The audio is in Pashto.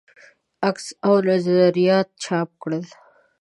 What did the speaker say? عکس او نظریات چاپ کړل.